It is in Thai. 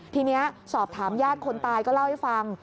ทีนี้สอบถามญาติคนตายก็เล่าให้ฟัง